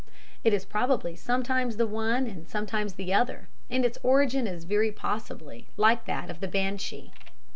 It is probably sometimes the one and sometimes the other; and its origin is very possibly like that of the Banshee.